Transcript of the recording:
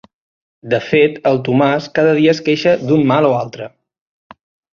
De fet, el Tomàs cada dia es queixa d'un mal o altre.